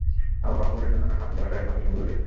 আবহাওয়ার খবরের জন্য নদীমাতৃক এলাকার একমাত্র সম্বল রেডিও।